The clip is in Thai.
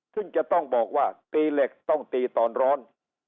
ซึ่งจะต้องบอกว่าตีเหล็กต้องตีตอนร้อน